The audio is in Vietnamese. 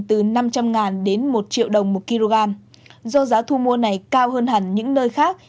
từ năm trăm linh đến một triệu đồng một kg do giá thu mua này cao hơn hẳn những nơi khác